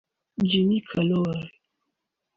Jim Carroll